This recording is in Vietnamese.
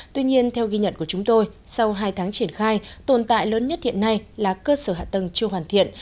tuy nhiên theo ghi nhận của chúng tôi sau hai tháng triển khai tồn tại lớn nhất hiện nay là cơ sở hạ tầng chưa hoàn thiện